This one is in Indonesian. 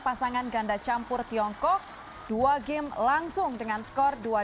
pasangan ganda campur tiongkok menang dua satu